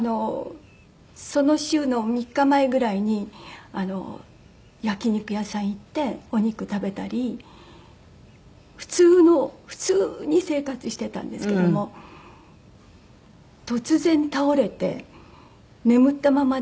その週の３日前ぐらいに焼き肉屋さん行ってお肉食べたり普通の普通に生活してたんですけども突然倒れて眠ったままで。